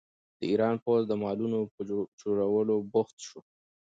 د ایران پوځ د مالونو په چورولو بوخت شو.